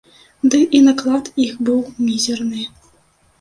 Ды і наклад іх быў мізэрны.